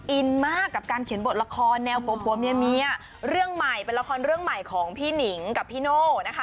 อินมากกับการเขียนบทละครแนวผัวผัวเมียเรื่องใหม่เป็นละครเรื่องใหม่ของพี่หนิงกับพี่โน่นะคะ